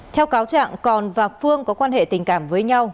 theo cáo trạng còn và phương có quan hệ tình cảm với nhau